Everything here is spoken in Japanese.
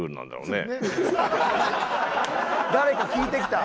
誰か聞いてきた。